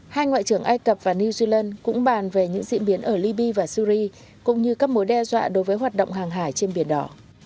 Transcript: hai ngoại trưởng ai cập và new zealand cũng bàn về những diễn biến ở libya và syri cũng như các mối đe dọa đối với hoạt động hàng hải trên biển đỏ